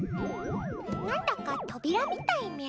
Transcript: なんだかとびらみたいみゃ。